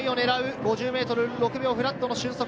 ５０ｍ６秒フラットの俊足。